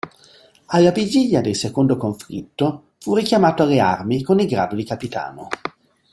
Alla vigilia del secondo conflitto, fu richiamato alle armi con il grado di capitano.